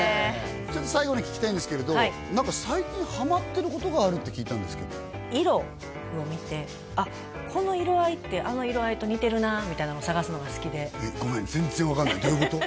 ちょっと最後に聞きたいんですけれど何か最近ハマってることがあるって聞いたんですけど色を見てこの色合いってあの色合いと似てるなみたいなのを探すのが好きでえっごめん全然分かんないどういうこと？